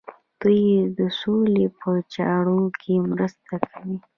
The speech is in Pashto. دوی د سولې په چارو کې مرسته کوي.